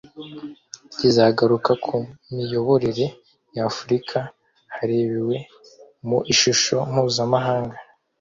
kizagaruka ku miyoborere ya Afurika harebewe mu ishusho mpuzamahanga